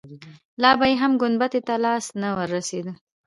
لا به يې هم ګنبدې ته لاس نه وررسېده.